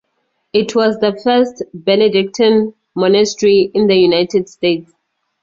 It was the first Benedictine monastery in the United States.